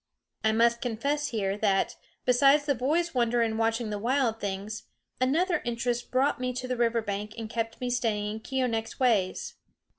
I must confess here that, besides the boy's wonder in watching the wild things, another interest brought me to the river bank and kept me studying Keeonekh's ways.